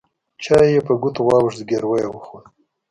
چای يې په ګوتو واوښت زګيروی يې وخوت.